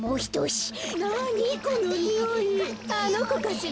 あのこかしら？